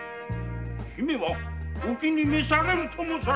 姫はお気に召されぬと申されるか。